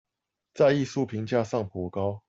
在藝術評價上頗高